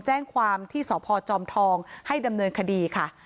แจ้งความที่สพจอมทองให้ดำเนินคดีค่ะ